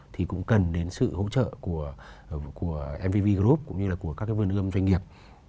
thì cũng cần đến sự hỗ trợ của mvv group cũng như là của các cái vườn ươm doanh nghiệp